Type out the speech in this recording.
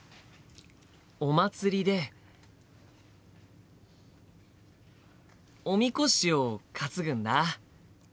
お祭りでおみこしを担ぐんだ。